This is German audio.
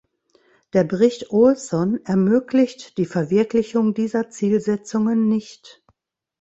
Der Bericht Olsson ermöglicht die Verwirklichung dieser Zielsetzungen nicht.